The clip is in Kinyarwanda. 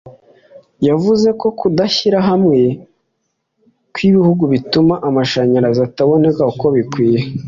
yavuze ko kudashyira hamwe kw’ibihugu bituma amashanyarazi ataboneka uko bikwiye